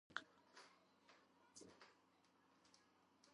ადრეული ბავშვობა გაატარა სოფელ კავთისხევში.